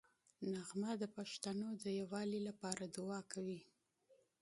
نغمه د پښتنو د یووالي لپاره دوعا کوي